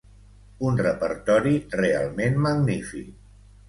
un repertori realment magnífic